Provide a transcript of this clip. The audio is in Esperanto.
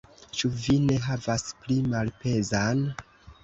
Ĉu vi ne havas pli malpezan?